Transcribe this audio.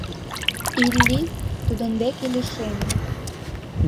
Илли тудын дек лишеме.